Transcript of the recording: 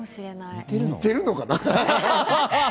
似てるかな？